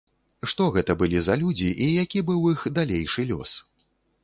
Што гэта былі за людзі і які быў іх далейшы лёс?